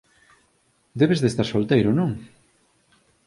Debes de estar solteiro, non?